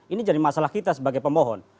ini jadi masalah kita sebagai pemohon